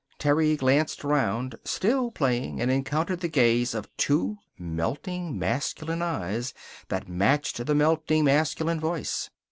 Terry glanced around, still playing, and encountered the gaze of two melting masculine eyes that matched the melting masculine voice.